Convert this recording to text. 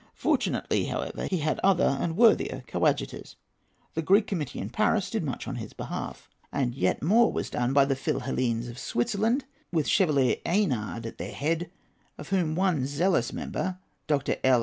Fortunately, however, he had other and worthier coadjutors. The Greek Committee in Paris did much on his behalf, and yet more was done by the Philhellenes of Switzerland, with Chevalier Eynard at their head, of whom one zealous member, Dr. L.